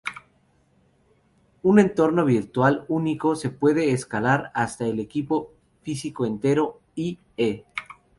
Un entorno virtual único se puede escalar hasta el equipo físico entero, i.e.